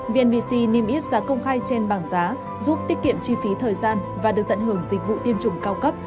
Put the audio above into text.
vnvc niêm yết giá công khai trên bảng giá giúp tiết kiệm chi phí thời gian và được tận hưởng dịch vụ tiêm chủng cao cấp